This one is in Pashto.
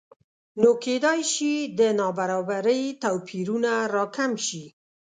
نو کېدای شي د نابرابرۍ توپیرونه راکم شي